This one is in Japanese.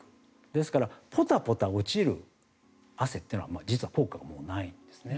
ですからポタポタ落ちる汗というのは実は効果がもうないんですね。